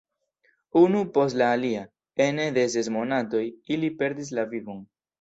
Unu post la alia, ene de ses monatoj, ili perdis la vivon.